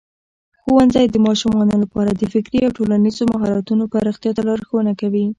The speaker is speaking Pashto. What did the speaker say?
ښوونځی د ماشومانو لپاره د فکري او ټولنیزو مهارتونو پراختیا ته لارښوونه کوي.